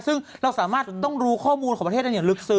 ซึ่งเราสามารถต้องรู้ข้อมูลของประเทศได้อย่างลึกซึ้